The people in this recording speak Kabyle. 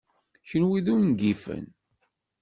Kenwi d ungifen!